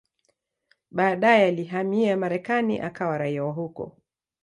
Baadaye alihamia Marekani akawa raia wa huko.